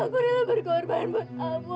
aku adalah berkorban buat abu